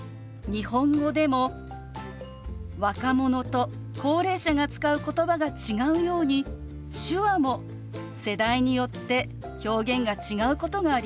日本語でも若者と高齢者が使うことばが違うように手話も世代によって表現が違うことがあります。